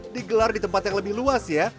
digelar di tempat yang lebih luas ya